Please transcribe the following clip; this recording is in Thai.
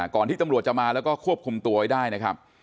ที่ตำรวจจะมาแล้วก็ควบคุมตัวไว้ได้นะครับ